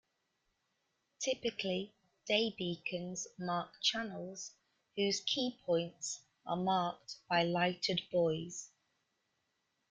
Typically, day beacons mark channels whose key points are marked by lighted buoys.